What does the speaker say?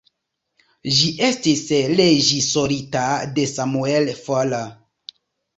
Ĝi estis reĝisorita de Samuel Fuller.